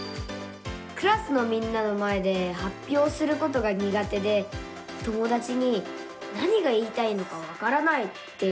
クラスのみんなの前ではっぴょうすることがにが手で友だちに「何が言いたいのかわからない」って言われちゃうんです。